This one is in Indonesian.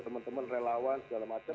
teman teman relawan segala macam